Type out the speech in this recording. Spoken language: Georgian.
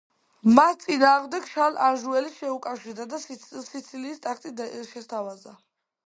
მათ წინააღმდეგ შარლ ანჟუელს შეუკავშირდა და სიცილიის ტახტი შესთავაზა.